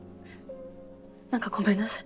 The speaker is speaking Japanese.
何かごめんなさい。